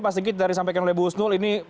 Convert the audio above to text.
pak sigit dari sampaikan oleh bu husnul